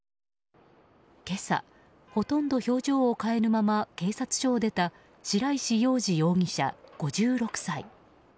今朝、ほとんど表情を変えぬまま警察署を出た白石洋二容疑者、５６歳。